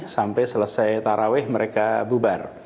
selesai taraweh mereka bubar